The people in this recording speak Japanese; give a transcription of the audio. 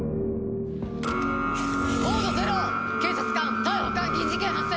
コード０！警察官逮捕監禁事件発生。